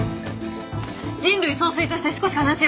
人類総帥として少し話を。